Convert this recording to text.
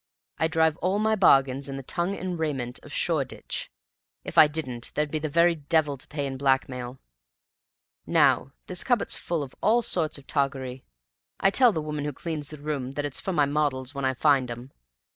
I drive all my bargains in the tongue and raiment of Shoreditch. If I didn't there'd be the very devil to pay in blackmail. Now, this cupboard's full of all sorts of toggery. I tell the woman who cleans the room that it's for my models when I find 'em.